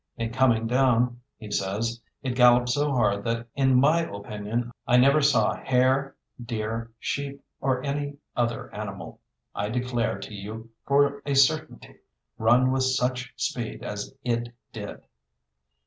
"In coming down," he says, "it galloped so hard that, in my opinion, I never saw hare, deer, sheep, or any other animal, I declare to you for a certainty, run with such speed as it did."